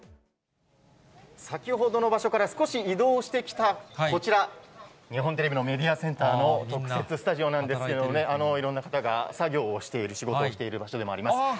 先ほどの場所から少し移動してきたこちら、日本テレビのメディアセンターの特設スタジオなんですけれどもね、いろんな方が作業をしている、仕事をしている場所でもあります。